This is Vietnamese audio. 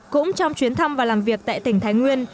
cũng trong chuyến thăm và làm việc tại tỉnh thái nguyên